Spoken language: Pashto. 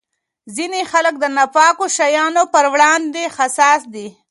ځینې خلک د ناپاکو شیانو پر وړاندې حساس دي.